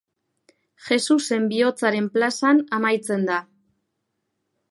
Jesusen Bihotzaren plazan amaitzen da.